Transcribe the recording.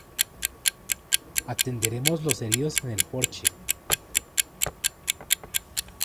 Atenderemos los heridos en el porche.